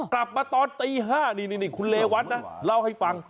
กลับมาตอนตี๕นี่คุณเรวัตนะเล่าให้ฟัง